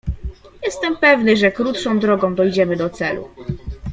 "Jestem pewny, że krótszą drogą dojdziemy do celu."